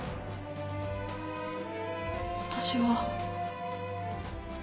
私は。